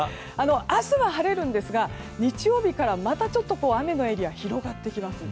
明日は晴れるんですが日曜日からまたちょっと雨のエリアが広がってきます。